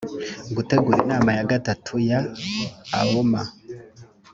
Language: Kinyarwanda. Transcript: gutegura inama ya gatatu ya aoma